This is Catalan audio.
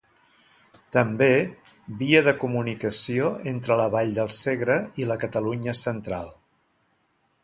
També, via de comunicació entre la vall del Segre i la Catalunya central.